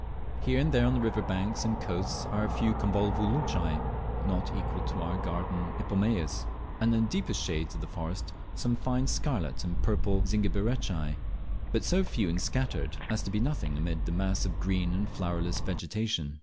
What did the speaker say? Here and there on the river banks and coasts are a few Convolvulaceae, not equal to our garden Ipomaeas, and in the deepest shades of the forest some fine scarlet and purple Zingiberaceae, but so few and scattered as to be nothing amid the mass of green and flowerless vegetation.